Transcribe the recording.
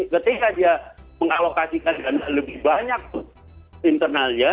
ketika dia mengalokasikan dana lebih banyak internalnya